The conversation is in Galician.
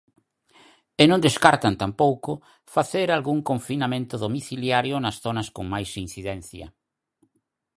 E non descartan, tampouco, facer algún confinamento domiciliario nas zonas con máis incidencia.